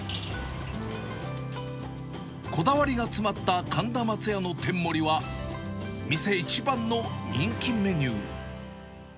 こだわりが詰まった神田まつやの天もりは、店一番の人気メニュー。